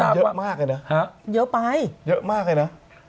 เยอะมากเลยนะ